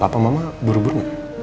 papa mama buru buru